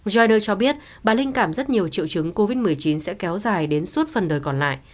jiders cho biết bà linh cảm rất nhiều triệu chứng covid một mươi chín sẽ kéo dài đến suốt phần đời còn lại